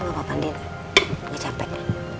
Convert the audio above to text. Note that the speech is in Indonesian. ngapain dina nggak capek